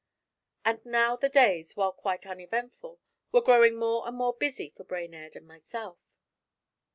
And now the days, while quite uneventful, were growing more and more busy for Brainerd and myself.